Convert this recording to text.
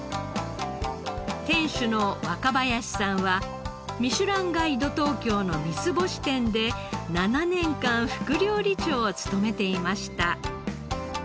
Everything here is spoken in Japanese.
店主の若林さんは『ミシュランガイド東京』の三つ星店で７年間副料理長を務めていました。